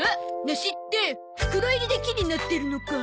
梨って袋入りで木になってるのか。